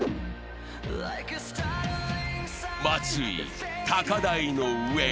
松井、高台の上へ。